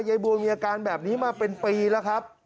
ยายบัวมีอาการแบบนี้มาเป็นปีแล้วครับ